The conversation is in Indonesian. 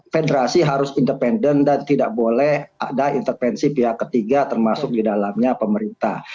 federasi harus independen dan tidak boleh ada intervensi pihak ketiga termasuk di dalamnya pemerintah